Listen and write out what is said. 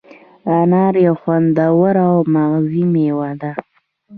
انار یو خوندور او مغذي مېوه ده.